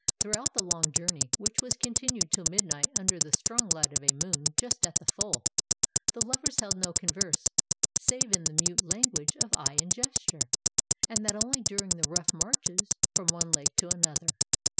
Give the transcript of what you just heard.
Throughout the long journey, which was continued till midnight under the strong light of a moon just at the full, the lovers held no converse save in the mute language of eye and gesture, and that only during the rough marches from one lake to another.